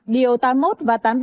điều tám mươi một và tám mươi một